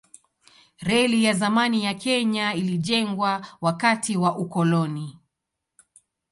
Reli ya zamani ya Kenya ilijengwa wakati wa ukoloni.